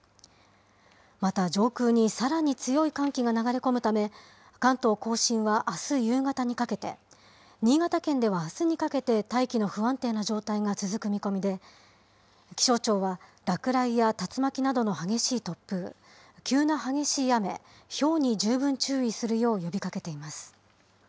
また上空にさらに強い寒気が流れ込むため、関東甲信はあす夕方にかけて、新潟県ではあすにかけて大気の不安定な状態が続く見込みで、気象庁は、落雷や竜巻などの激しい突風、急な激しい雨、ひょうに十分注意するよう呼びかけています。